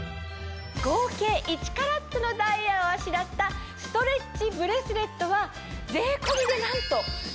合計１カラットのダイヤをあしらったストレッチブレスレットは。